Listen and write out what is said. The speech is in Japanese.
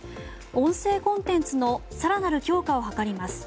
音声コンテンツの更なる強化を図ります。